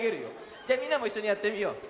じゃみんなもいっしょにやってみよう。